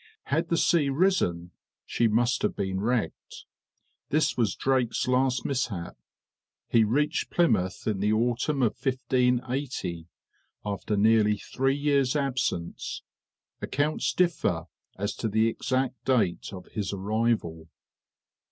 Had the sea risen, she must have been wrecked. This was Drake's last mishap. He reached Plymouth in the autumn of 1580, after nearly three years' absence. Accounts differ as to the exact date of his arrival.